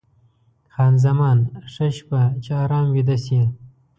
خان زمان: ښه شپه، چې ارام ویده شې.